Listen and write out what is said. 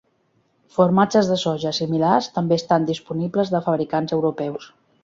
Formatges de soja similars també estan disponibles de fabricants europeus.